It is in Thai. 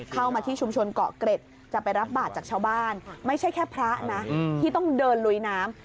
เข้ามาที่ชุมชนเกาะเกร็ดจะไปรับบาทจากชาวบ้านไม่ใช่แค่พระนะที่ต้องเดินลุยน้ำ